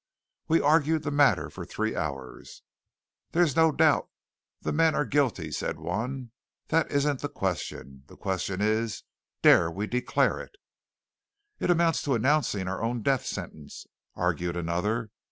We argued the matter for three hours. "There's no doubt the men are guilty," said one. "That isn't the question. The question is, dare we declare it?" "It amounts to announcing our own death sentence," argued another.